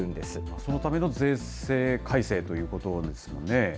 そのための税制改正ということですよね。